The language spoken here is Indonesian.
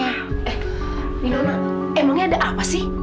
eh minuman emangnya ada apa sih